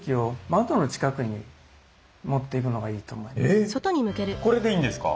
えっこれでいいんですか？